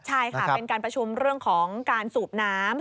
ใช่ค่ะเป็นการประชุมเรื่องของการสูบน้ำ